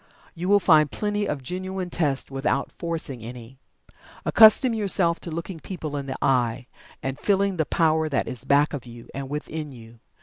You will find plenty of genuine tests without forcing any. Accustom yourself to looking people in the eye, and feeling the power that is back of you, and within you.